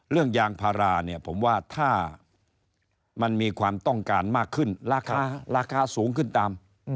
ยางพาราเนี่ยผมว่าถ้ามันมีความต้องการมากขึ้นราคาราคาสูงขึ้นตาม